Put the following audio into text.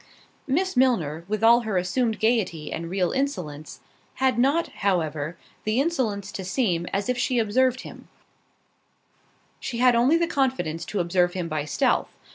Miss Milner, with all her assumed gaiety and real insolence, had not, however, the insolence to seem as if she observed him; she had only the confidence to observe him by stealth.